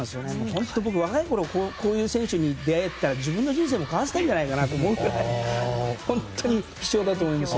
本当に僕は若いころこういう選手に出会えていたら自分の人生も変わっていたんじゃないかなと思うぐらい本当に貴重だと思います。